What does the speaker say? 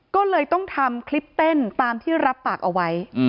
ก็เลยต้องทำคลิปเต้นตามที่รับปากเอาไว้